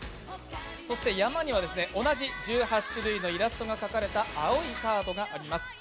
そして山には同じ１８種類のイラストが描かれた青いカードがあります。